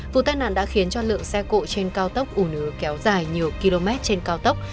vụ tai nạn đã khiến cho lượng xe cộ trên cao tốc ủ nứ kéo dài nhiều km trên cao tốc